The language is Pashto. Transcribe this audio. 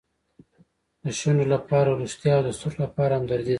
د شونډو لپاره ریښتیا او د سترګو لپاره همدردي ده.